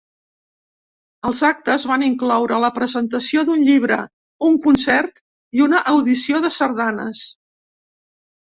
Els actes van incloure la presentació d'un llibre, un concert i una audició de sardanes.